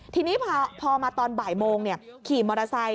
ทีนี้พอมาตอนบ่ายโมงขี่มอเตอร์ไซค